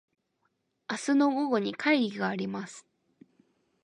明日の午後に会議があります。